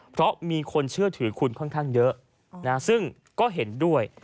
เพราะมีคนเชื่อถือคุณค่อนข้างเยอะซึ่งก็เห็นด้วย